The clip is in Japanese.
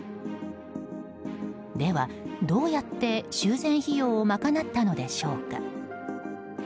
では、どうやって修繕費用を賄ったのでしょうか。